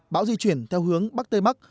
bão di chuyển theo hướng bắc tây bắc